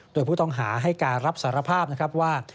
โดยผู้ต้องหาให้การรับสารภาพนะครับว่า